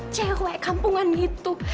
cewek kampungan gitu